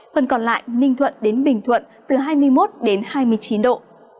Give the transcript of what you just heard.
phần còn lại ninh thuận đến bình thuận từ hai mươi một đến hai mươi chín độ